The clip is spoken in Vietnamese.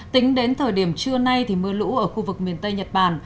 tính đến thời điểm trưa nay mưa lũ ở khu vực miền tây nhật bản